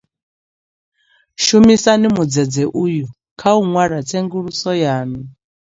Shumisani mudzedze uyu kha u ṅwala tsenguluso yaṋu.